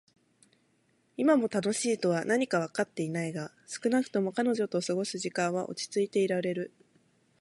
今も「楽しい」とは何かはわかってはいないが、少なくとも彼女と過ごす時間は落ち着いていられる。